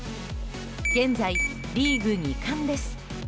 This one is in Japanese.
現在、リーグ２冠です。